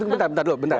bentar bentar dulu